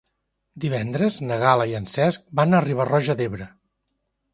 Divendres na Gal·la i en Cesc van a Riba-roja d'Ebre.